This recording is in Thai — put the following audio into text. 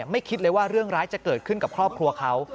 คิดเลยว่าเรื่องร้ายจะเกิดขึ้นกับครอบครัวเขา